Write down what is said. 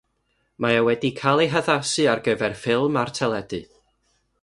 Mae e wedi cael ei haddasu ar gyfer ffilm a'r teledu.